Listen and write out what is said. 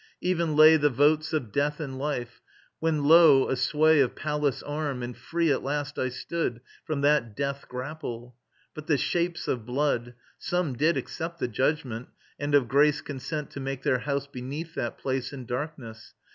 Even lay The votes of Death and Life; when, lo, a sway Of Pallas' arm, and free at last I stood From that death grapple. But the Shapes of Blood Some did accept the judgment, and of grace Consent to make their house beneath that place In darkness.